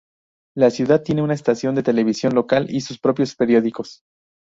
La ciudad tiene una estación de televisión local y sus propios periódicos.